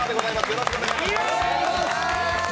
よろしくお願いします。